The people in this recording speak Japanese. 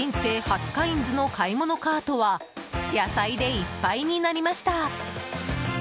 初カインズの買い物カートは野菜でいっぱいになりました。